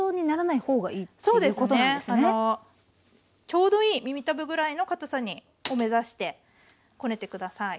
ちょうどいい耳たぶぐらいのかたさを目指してこねて下さい。